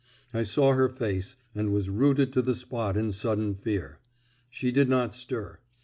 I saw her face, and was rooted to the spot in sudden fear. She did not stir.